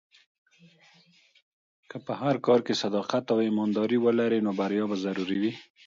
که په هر کار کې صداقت او ایمانداري ولرې، نو بریا به ضرور وي.